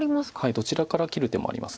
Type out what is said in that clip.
どちらから切る手もあります。